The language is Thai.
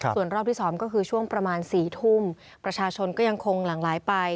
ส่วนรอบที่๒ก็คือช่วงประมาณ๔ทุ่มประชาชนก็ยังคงหลั่งไหลไป